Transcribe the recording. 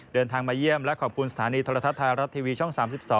เดินทางมาเยี่ยมและขอบคุณสถานีโทรทัศน์ไทยรัฐทีวีช่อง๓๒